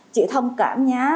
chị thông cảm nhé